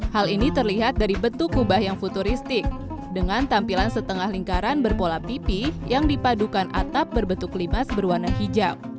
hal ini terlihat dari bentuk kubah yang futuristik dengan tampilan setengah lingkaran berpola pipi yang dipadukan atap berbentuk limas berwarna hijau